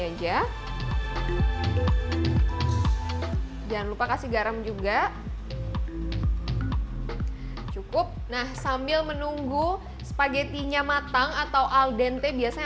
aja jangan lupa kasih garam juga cukup nah sambil menunggu spagetinya matang atau aldente biasanya